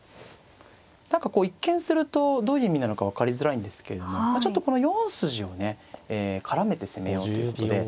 何かこう一見するとどういう意味なのか分かりづらいんですけれどもちょっとこの４筋をね絡めて攻めようということで。